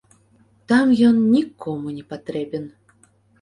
Там ён нікому не патрэбен.